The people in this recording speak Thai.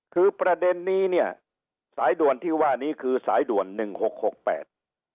คือประเด็นนี้เนี่ยสายด่วนที่ว่านี้คือสายด่วนหนึ่งหกหกแปด